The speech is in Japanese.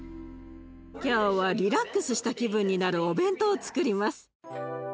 今日はリラックスした気分になるお弁当をつくります。